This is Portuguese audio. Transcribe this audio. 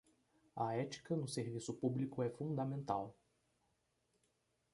A ética no serviço público é fundamental